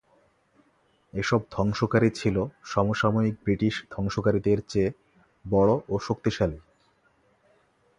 এসব ধ্বংসকারী ছিল সমসাময়িক ব্রিটিশ ধ্বংসকারীদের চেয়ে বড় ও শক্তিশালী।